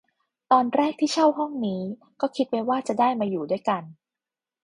ตอนแรกที่เช่าห้องนี้ ก็คิดไว้ว่าจะได้มาอยู่ด้วยกัน